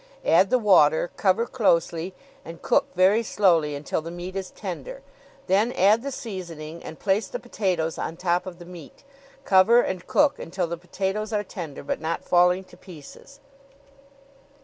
Add the water, cover closely, and cook very slowly until the meat is tender; then add the seasoning and place the potatoes on top of the meat. Cover and cook until the potatoes are tender, but not falling to pieces.'"